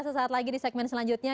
sesaat lagi di segmen selanjutnya